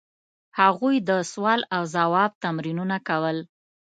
هغوی د سوال او ځواب تمرینونه کول.